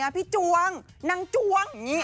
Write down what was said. พี่จ่วงนางจ่วง